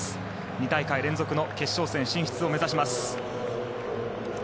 ２大会連続の決勝戦進出を目指します。